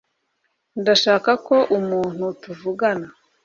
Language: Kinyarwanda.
ndashaka ko umuntu tuvugana